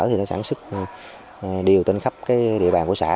thì nó sản xuất điều tên khắp địa bàn của xã